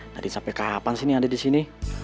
nadine sampe kapan sih nih ada di sini